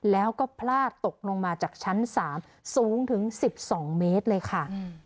แล้วก็พลาดตกลงมาจากชั้น๓สูงถึง๑๒เมตรเลยค่ะ